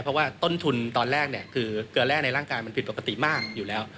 เพราะว่าต้นทุนตอนแรกคือเกลือแร่ในร่างกายมันผิดปกติมากอยู่แล้ว